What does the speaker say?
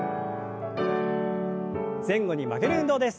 前後に曲げる運動です。